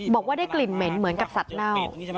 บอกว่าได้กลิ่นเหม็นเหมือนกับสัตว์เน่า